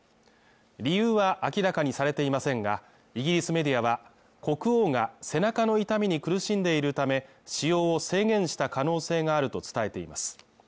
理由は明らかにされていませんが、イギリスメディアは、国王が背中の痛みに苦しんでいるため、使用を制限した可能性があると伝えています。